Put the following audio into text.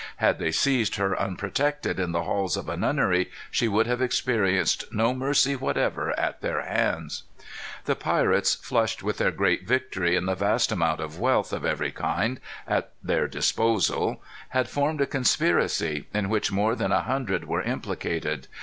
Had they seized her unprotected in the halls of a nunnery, she would have experienced no mercy whatever at their hands. The pirates, flushed with their great victory, and the vast amount of wealth, of every kind, at their disposal, had formed a conspiracy, in which more than a hundred were implicated.